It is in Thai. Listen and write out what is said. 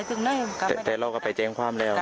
แต่เราก็ไปแจ้งความแล้ว